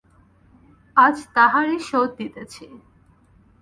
আজ তাহারই শোধ দিতেছি।